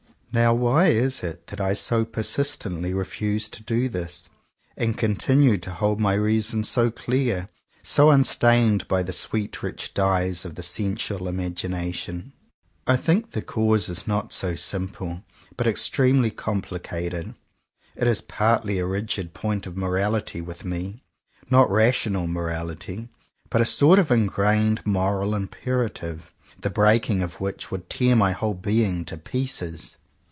Now why is it that I so persistently re fuse to do this, and continue to hold my 164 JOHN COWPER POWYS reason so clear, so unstained by the sweet rich dyes of the sensual imagination ? I think the cause is not simple, but ex tremely complicated. It is partly a rigid point of morality with me, — not rational morality, but a sort of ingrained moral imperative, the breaking of which would tear my whole being to pieces.